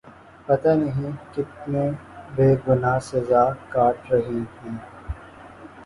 پتا نہیں کتنے بے گنا سزا کاٹ رہے ہیں